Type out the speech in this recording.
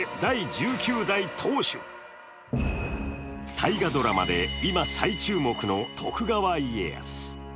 大河ドラマで今、再注目の徳川家康。